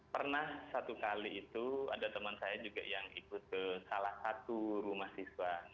pernah satu kali itu ada teman saya juga yang ikut ke salah satu rumah siswa